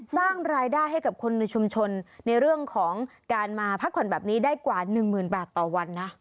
สร้างรายได้ให้กับคนในชุมชนในเรื่องของการมาพักผ่อนแบบนี้ได้กว่าหนึ่งหมื่นบาทต่อวันนะ